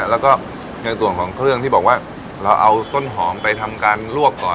แล้วก็ในส่วนของเครื่องที่บอกว่าเราเอาต้นหอมไปทำการลวกก่อน